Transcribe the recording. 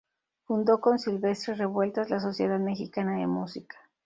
Fundó con Silvestre Revueltas la Sociedad Mexicana de Música.